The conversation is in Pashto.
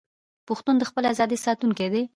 پښتون د خپلې ازادۍ ساتونکی دی.